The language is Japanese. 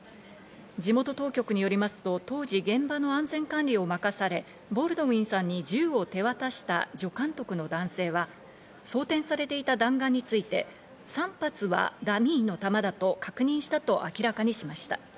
地元当局によりますと当時現場の安全管理を任され、ボールドウィンさんに銃を手渡した助監督の男性は、装填されていた弾丸について３発はダミーの弾だと確認したと明らかにしました。